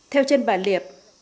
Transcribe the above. theo chân bà liệp